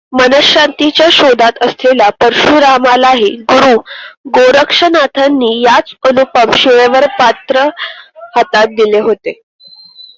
मनःशांतीच्या शोधात असलेल्या परशुरामालाही गुरू गोरक्षनाथांनी याच अनुपम शिळेवर पात्र हातात दिले होते.